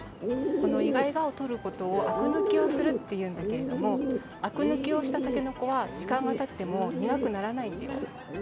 このイガイガをとることをあくぬきをするっていうんだけれどもあくぬきをしたたけのこはじかんがたってもにがくならないんだよ。